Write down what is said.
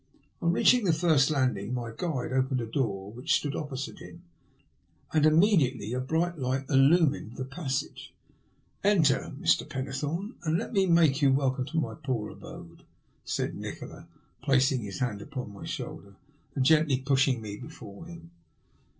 On reaching the first landing my guide opened a door which stood opposite him, and immediately a bright light illumined the passage. ''Enter, Mr. Pennethorne, and let me make you welcome to my poor abode," said Nikola, placing his hand upon my shoulder and gently pushing me before him.